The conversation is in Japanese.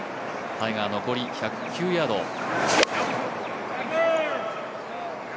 タイガー、残り１０９ヤード。